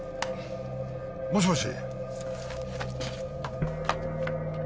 もしもし。